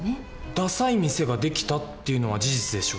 「ダサい店ができた」っていうのは事実でしょ？